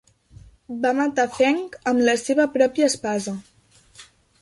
Va matar Feng amb la seva pròpia espasa.